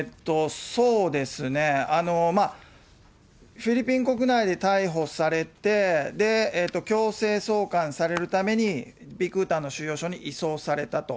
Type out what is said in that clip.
フィリピン国内で逮捕されて、強制送還されるために、ビクタンの収容所に移送されたと。